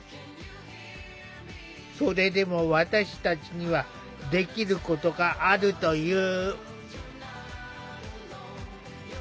それでも私たちにはできることがあるという。